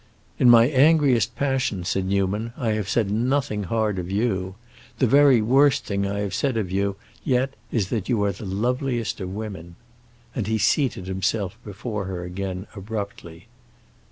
"In my angriest passion," said Newman, "I have said nothing hard of you. The very worst thing I have said of you yet is that you are the loveliest of women." And he seated himself before her again abruptly.